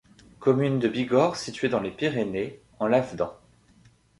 Commune de Bigorre située dans les Pyrénées, en Lavedan.